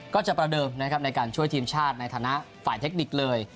ก็จะประเดิมนะครับในการช่วยทีมชาติในฐานะฝ่ายเทคนิคเลย